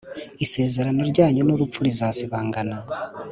Isezerano ryanyu n’Urupfu rizasibangana,